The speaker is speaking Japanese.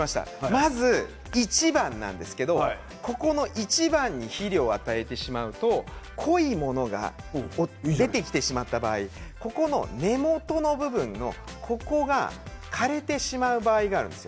まず１番ですが１番に肥料を与えてしまうと濃いものが出てきてしまった場合根元の部分が枯れてしまう場合があるんです。